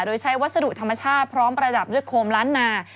โดยใช้วัสดุธรรมชาติพร้อมประดับด้วยโคมล้านนา